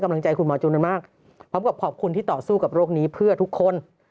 กำลังใจคุณหมอจูนมากพร้อมกับขอบคุณที่ต่อสู้กับโรคนี้เพื่อทุกคน